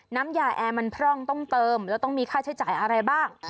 น้ำยาแอร์มันพร่องต้องเติมแล้วต้องมีค่าใช้จ่ายอะไรบ้าง